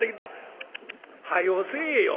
「はようせえよ。